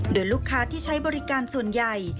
โดยลูกค้าที่ใช้บริการส่วนใหญ่